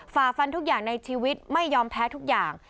ฝ่าฟันทุกอย่างในชีวิตไม่ยอมแพ้ทุกอย่าง